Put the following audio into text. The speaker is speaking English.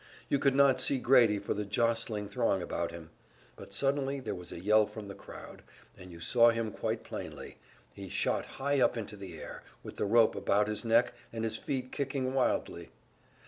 You could not see Grady for the jostling throng about him, but suddenly there was a yell from the crowd, and you saw him quite plainly he shot high up into the air, with the rope about his neck and his feet kicking wildly.